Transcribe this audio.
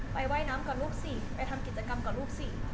ว่ายน้ำกับลูกสิไปทำกิจกรรมกับลูกสิ